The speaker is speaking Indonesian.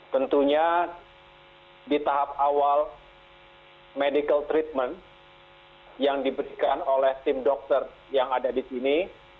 tentunya di tahap awal medical treatment yang diberikan oleh tim dokter yang ada di sini